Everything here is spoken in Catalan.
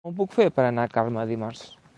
Com ho puc fer per anar a Carme dimarts?